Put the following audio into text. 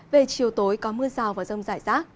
về chiều tối có mưa rào và rông rải rác